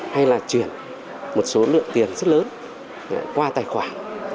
hay là chuyển một số lượng tiền rất lớn qua tài khoản